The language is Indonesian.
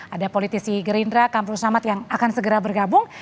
ada politisi gerindra kamrul samad yang akan segera bergabung